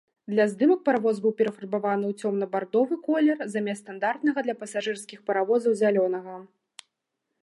Для здымак паравоз быў перафарбаваны ў цёмна-бардовы колер, замест стандартнага для пасажырскіх паравозаў зялёнага.